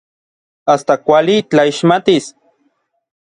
Asta kuali tlaixmatis.